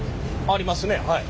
ありますねはい。